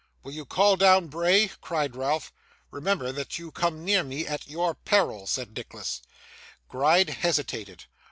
'Will you call down Bray?' cried Ralph. 'Remember that you come near me at your peril,' said Nicholas. Gride hesitated.